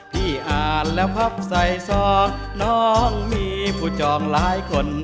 พี่อ่านแล้วพับใส่ซอก